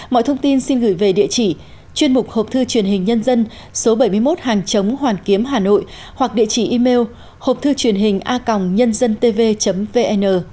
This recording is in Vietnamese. mọi thông tin xin gửi về địa chỉ chuyên mục hộp thư truyền hình nhân dân số bảy mươi một hàng chống hoàn kiếm hà nội hoặc địa chỉ email hộp thư truyền hình a gântv vn